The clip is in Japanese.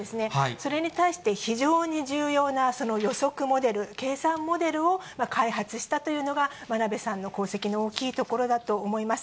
それに対して、非常に重要な予測モデル、計算モデルを、開発したというのが、真鍋さんの功績の大きいところだと思います。